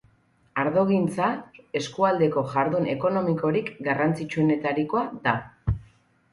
Ardogintza eskualdeko jardun ekonomikorik garrantzitsuenetarikoa da.